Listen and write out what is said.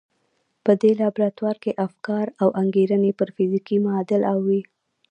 په دې لابراتوار کې افکار او انګېرنې پر فزيکي معادل اوړي.